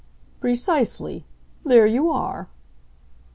"Precisely there you are."